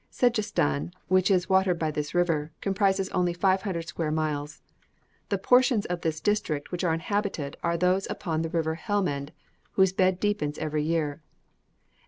Sedjestan, which is watered by this river, comprises only 500 square miles. The portions of this district which are inhabited are those upon the river Helmend, whose bed deepens every year.